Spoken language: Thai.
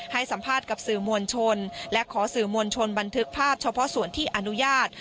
ให้สัมภาษณ์กับสื่อมวลชนและขอสื่อมวลชนบันทึกภาพเฉพาะส่วนที่อนุญาต